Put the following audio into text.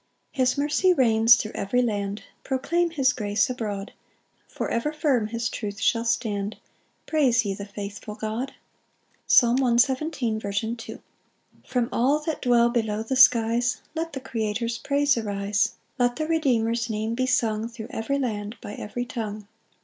2 His mercy reigns thro' every land; Proclaim his grace abroad; For ever firm his truth shall stand, Praise ye the faithful God. Psalm 117:2. L. M. 1 From all that dwell below the skies, Let the Creator's praise arise! Let the Redeemer's name be sung Thro' every land, by every tongue.